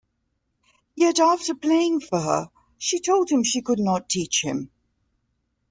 Yet after playing for her, she told him she could not teach him.